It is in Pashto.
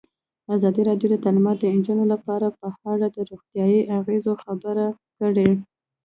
ازادي راډیو د تعلیمات د نجونو لپاره په اړه د روغتیایي اغېزو خبره کړې.